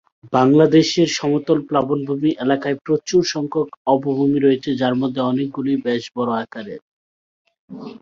বাংলাদেশের সমতল প্লাবনভূমি এলাকায় প্রচুর সংখ্যক অবভূমি রয়েছে যার মধ্যে অনেকগুলিই বেশ বড় আকারের।